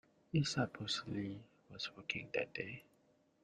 He supposedly was working that day.